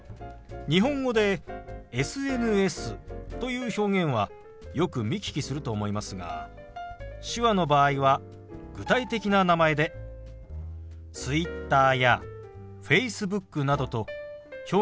日本語でＳＮＳという表現はよく見聞きすると思いますが手話の場合は具体的な名前でＴｗｉｔｔｅｒやＦａｃｅｂｏｏｋなどと表現することが多いんですよ。